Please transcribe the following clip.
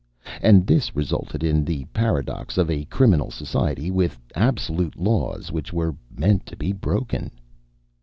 And this resulted in the paradox of a criminal society with absolute laws which were meant to be broken.